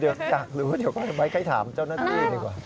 อยากรู้เดี๋ยวไม้ใครถามเจ้าหน้านั่นดูดีกว่า